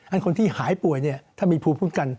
อันคนที่หายป่วยถ้ามีภูมิคุ้มกัน